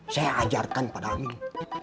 saya ajarkan pada aming